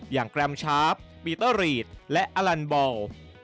แกรมชาร์ฟปีเตอร์รีดและอลันบอล